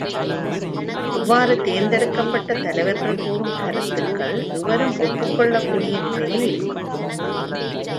இவ்வாறு தேர்ந்தெடுக்கப்பட்ட தலைவர்கள் கூறும் கருத்துக்கள் எவரும் ஒப்புக் கொள்ளக் கூடிய நிலையில் இருக்கும்.